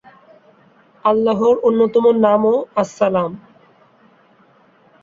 আল্লাহর অন্যতম নামও আস-সালাম।